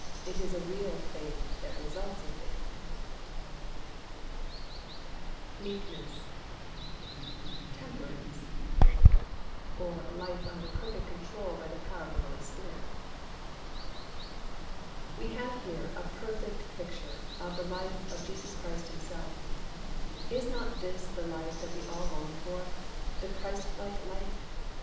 It is a real faith that results in faithfulness)—"meekness"—"temperance" (or a life under perfect control by the power of the Holy Spirit). We have here a perfect picture of the life of Jesus Christ Himself. Is not this the life that we all long for, the Christlike life?